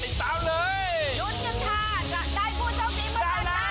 ใจผู้โชคดีมันลงไปแล้ว